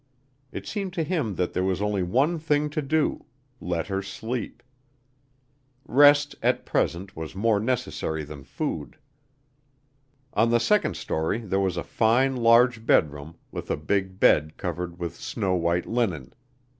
It seemed to him that there was only one thing to do let her sleep. Rest at present was more necessary than food. On the second story there was a fine large bedroom, with a big bed covered with snow white linen.